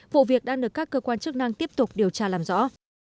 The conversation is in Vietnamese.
vụ việc đang được các cơ quan chức năng tiếp tục điều tra làm rõ